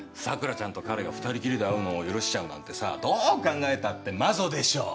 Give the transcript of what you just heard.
桜ちゃんと彼が二人きりで会うのを許しちゃうなんてさどう考えたってマゾでしょう。